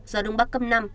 gió đông bắc cấp năm